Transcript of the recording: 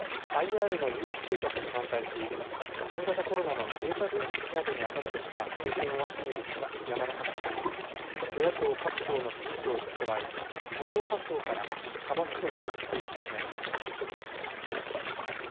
その結果ＩＲの誘致計画に反対し新型コロナのデータ分析などに当たってきた経験をアピールした山中氏が与野党各党の支持層に加え無党派層から幅広く支持を集めました。